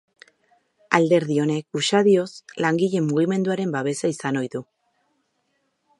Alderdi honek usadioz langile mugimenduaren babesa izan ohi du.